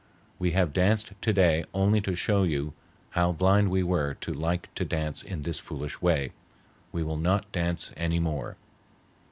We have danced to day only to show you how blind we were to like to dance in this foolish way. We will not dance any more."